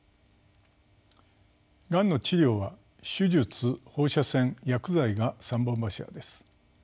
がんの治療は手術放射線薬剤が三本柱です。